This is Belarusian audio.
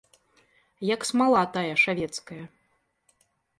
Як смала тая шавецкая.